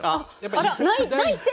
あらっないって！